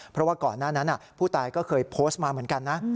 เพราะว่าก่อนหน้านั้นผู้ตายก็เคยโพสต์มาเหมือนกันนะ